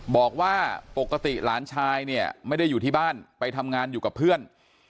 บอกว่าปกติหลานชายเนี่ยไม่ได้อยู่ที่บ้านไปทำงานอยู่กับเพื่อน